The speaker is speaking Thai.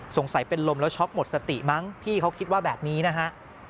สงสัยเป็นลมแล้วช็อกหมดสติมั้งพี่เขาคิดว่าแบบนี้นะฮะ